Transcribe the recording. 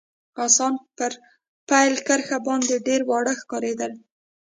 اسان پر پیل کرښه باندي ډېر واړه ښکارېدل.